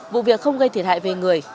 vụ việc không gây thiệt hại về người